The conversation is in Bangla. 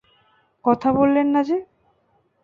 কথা বললেন না যে?